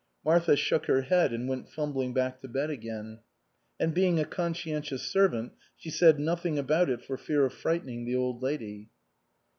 Martha shook her head and went fumbling hack to bed again; and being a conscientious servant she said nothing about it for fear of {Tightening the old lady.